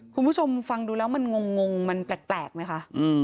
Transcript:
คุณผู้ชมฟังดูแล้วมันงงมันแปลกไหมคะ